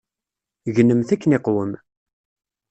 Gnemt akken iqwem.